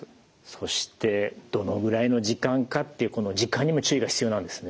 そしてどのぐらいの時間かっていうこの時間にも注意が必要なんですね。